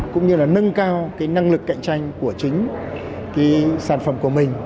cũng như nâng cao năng lực cạnh tranh của chính sản phẩm của mình